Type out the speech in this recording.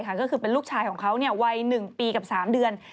ก็คือเป็นลูกชายของเขาวัย๑ปีกับ๓เดือน